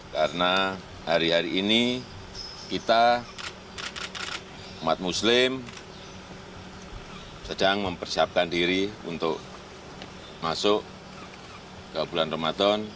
karena hari hari ini kita umat muslim sedang mempersiapkan diri untuk masuk ke bulan ramadan